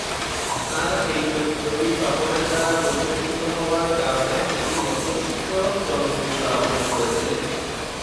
তাঁর এই চরিত্রটি সকলের দ্বারা প্রশংসিত হওয়ার কারণে তিনি যথেষ্ট জনপ্রিয়তা অর্জন করেছিলেন।